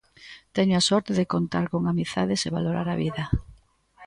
Teño a sorte de contar con amizades e valorar a vida.